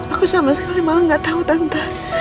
aku sama sekali malah gak tahu tante